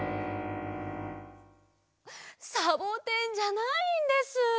サボテンじゃないんです。